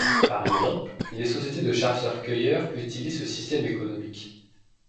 Par exemple, les sociétés de chasseurs-cueilleurs utilisent ce système économique.